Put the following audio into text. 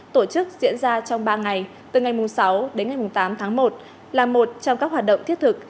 tổ chức diễn ra trong ba ngày từ ngày sáu đến ngày tám tháng một là một trong các hoạt động thiết thực